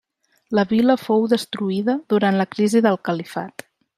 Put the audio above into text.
La vila fou destruïda durant la crisi del Califat.